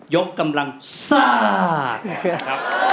ยกกำลังส่าาาาาก